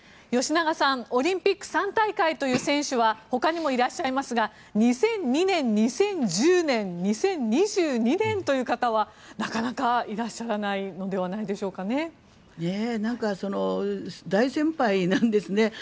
吉永さんオリンピック３大会という選手はほかにもいらっしゃいますが２００２年、２０１０年２０２２年という方はなかなかいらっしゃらないのではないのでしょうかね。大先輩なんですね。